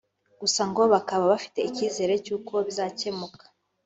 gusa ngo bakaba bafite icyizere cy’uko bizakemuka